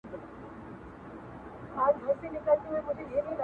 هو داده رشتيا چي وه اسمان ته رسېـدلى يــم~